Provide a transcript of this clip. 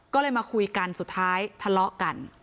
ก็เลยมาคุยกันสุดท้ายทะเลาะกัน